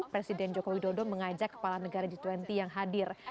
presiden joko widodo mengajak kepala negara g dua puluh yang hadir